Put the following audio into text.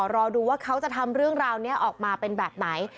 รอดูว่าเขาจะทำเรื่องราวนี้ออกมาเป็นแบบไหน